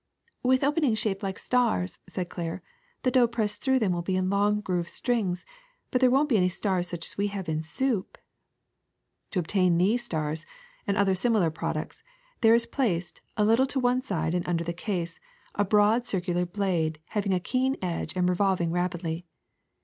^^With openings shaped like stars,'' said Claire, ^^the dough pressed through will be in long grooved strings ; but there won't be any stars such as we have in soup." ^^To obtain these stars and other similar products, there is placed, a little to one side and under the case, a broad circular blade having a keen edge and revolving rapidly.